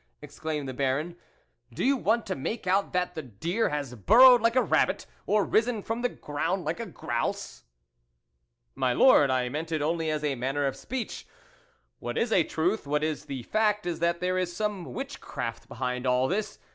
" ex claimed the Baron " do you want to make out that the deer has burrowed like a rabbit, or risen from the ground like a grouse ?"" My Lord, I meant it only as a man ner of speech. What is a truth, what is the fact, is that there is some witchcraft behind all this.